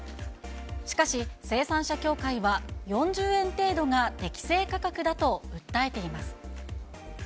しかし、生産者協会は、４０円程度が適正価格だと訴えています。